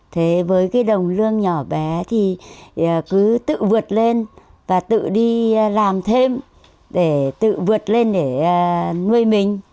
thế với cái đồng lương nhỏ bé thì cứ tự vượt lên và tự đi làm thêm để tự vượt lên để nuôi mình